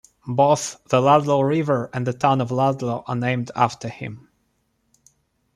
Both the Ludlow River and the town of Ludlow are named after him.